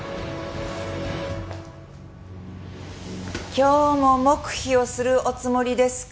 今日も黙秘をするおつもりですか？